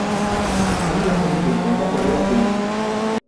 Es la sede del condado de Atlantic.